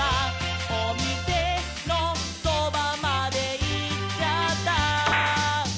「おみせのそばまでいっちゃった」